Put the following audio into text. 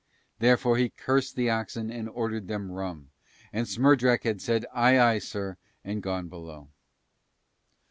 Therefore he cursed the oxen and ordered them rum, and Smerdrak had said "Aye, aye, sir," and gone below.